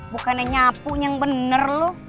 bukannya nyapu yang bener loh